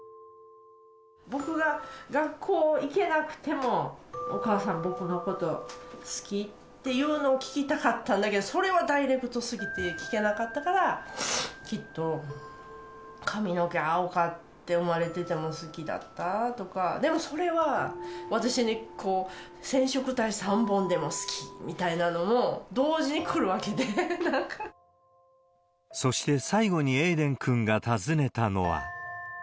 僕が学校行けなくても、お母さん、僕のこと好き？っていうのを聞きたかったんだけど、それはダイレクトすぎて聞けなかったから、きっと、髪の毛青かって生まれてても好きだった？とか、でも、それは、私に染色体３本でも好き？みたいなのも同時にくるわけで、そして、最後にエイデン君が尋ねたのは。